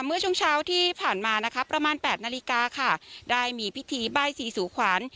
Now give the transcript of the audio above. เมื่อช่วงเช้าที่ผ่านมานะคะประมาณ๘นาฬิกาค่ะได้มีพิธีใบ้สีสู่ขวัญ